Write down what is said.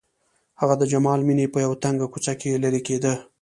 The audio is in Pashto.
هغه د جمال مېنې په يوه تنګه کوڅه کې لېرې کېده.